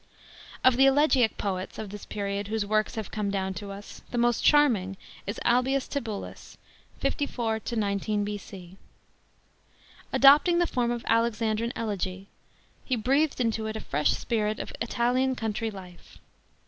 § 5. Of the elegiac poets of this period whose works have come down to us, the most charming is ALBIUS TIBULLUS (54 19 B.C.). Adopting the form of Alexandrine elegN , he breathed into it a fresh spirit of Italian country life.